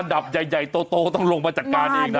ดับใหญ่โตก็ต้องลงมาจัดการเองนะ